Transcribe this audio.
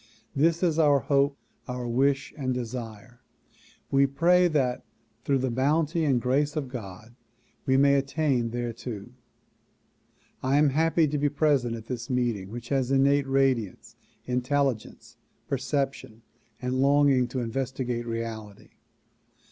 This is our hope, our wish and desire. We pray that through the bounty and grace of God we may attain thereto. I am very happy to be present at this meeting which has innate radiance, intelligence, perception and longing to investigate reality.